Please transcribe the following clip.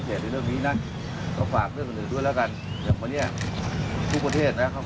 เพราะมันคือการเปลี่ยนแปลงเปลี่ยนแปลงประเทศของเรา